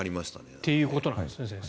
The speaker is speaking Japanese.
ということなんですね先生。